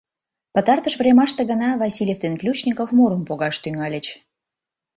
Пытартыш времаште гына Васильев ден Ключников мурым погаш тӱҥальыч.